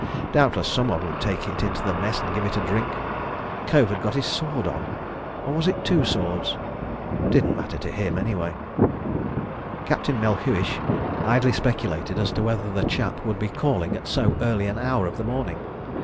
Doubtless someone would take it into the Mess and give it a drink. ... Cove had got his sword on—or was it two swords? Didn't matter to him, anyway. ... Captain Melhuish idly speculated as to whether the chap would be "calling" at so early an hour of the morning.